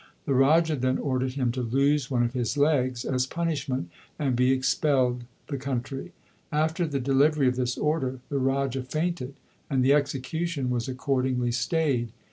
The Raja then ordered him to lose one of his legs as punishment, and be expelled the country. After the delivery of this order the Raja fainted, and the execution was accordingly stayed.